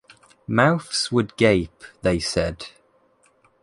"Mouths would gape", they said.